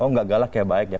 oh nggak galak ya baik